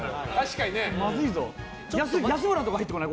安村とか入ってこない？